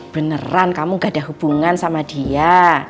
beneran kamu gak ada hubungan sama dia